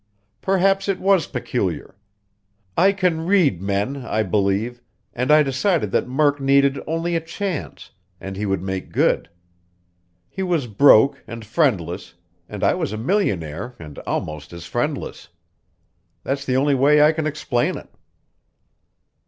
"Perhaps it was peculiar. I can read men, I believe, and I decided that Murk needed only a chance, and he would make good. He was broke and friendless, and I was a millionaire and almost as friendless. That's the only way I can explain it."